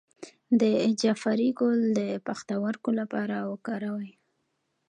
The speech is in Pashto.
د جعفری ګل د پښتورګو لپاره وکاروئ